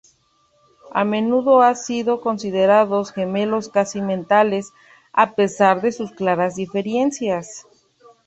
A menudo han sido considerados gemelos casi mentales, a pesar de sus claras diferencias.